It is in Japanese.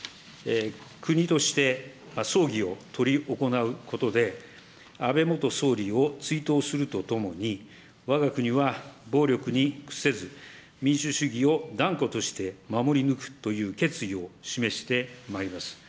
国として、葬儀を執り行うことで、安倍元総理を追悼するとともに、わが国は暴力に屈せず、民主主義を断固として守り抜くという決意を示してまいります。